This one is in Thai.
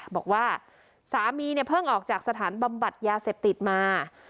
บอกว่าสามีเนี่ยเพิ่งออกจากสถานบำบัดยาเสพติดมา